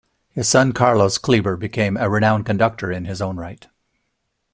His son Carlos Kleiber became a renowned conductor in his own right.